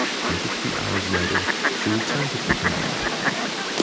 Twenty-three hours later, she returned to pick him up.